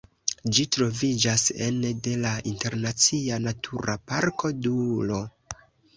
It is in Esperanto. Ĝi troviĝas ene de la Internacia Natura Parko Doŭro.